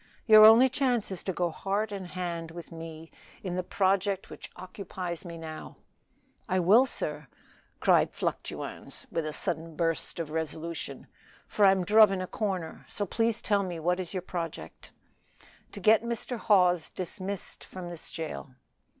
"Your only chance is to go heart and hand with me in the project which occupies me now." "I will, sir," cried Fluctuans, with a sudden burst of resolution, "for I'm druv in a corner. So please tell me what is your project?" "To get Mr. Hawes dismissed from this jail."